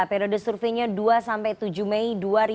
periode surveinya dua sampai tujuh mei dua ribu dua puluh